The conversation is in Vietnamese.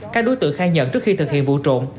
các đối tượng khai nhận trước khi thực hiện vụ trộm